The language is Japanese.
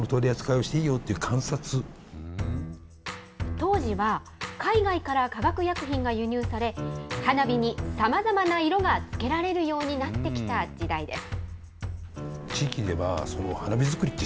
当時は、海外から化学薬品が輸入され、花火にさまざまな色がつけられるようになってきた時代です。